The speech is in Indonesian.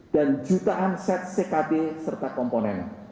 dan jutaan set ckd serta komponen